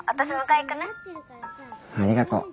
ありがとう。